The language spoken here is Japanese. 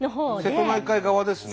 瀬戸内海側ですね。